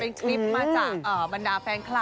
เป็นคลิปมาจากบรรดาแฟนคลับ